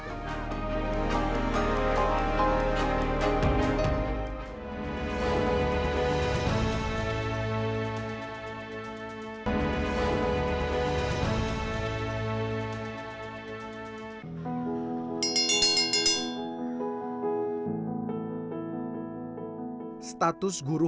kalau banyak akibatnya